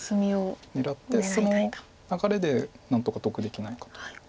狙ってその流れで何とか得できないかという。